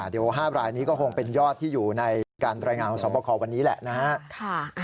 เดี๋ยว๕รายนี้ก็คงเป็นยอดที่อยู่ในการรายงานของสอบประคอวันนี้แหละนะฮะ